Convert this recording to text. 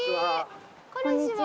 こんにちは。